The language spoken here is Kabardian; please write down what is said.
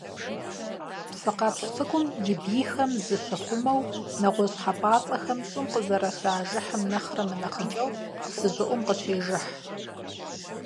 Псыкъэпщ цӀыкӀум, и бийхэм зыщихъумэу, нэгъуэщӀ хьэпӀацӀэхэм щӀым къызэрыщажыхьым нэхърэ мынэхъыкӀэу псы щӀыӀум къыщежыхь.